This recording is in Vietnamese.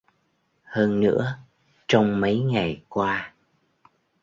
Hơn nữa trong mấy ngày qua